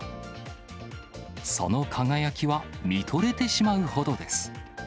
その輝きは見とれてしまうほどです。